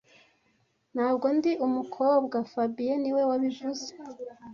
Ntabwo ndi umukobwa fabien niwe wabivuze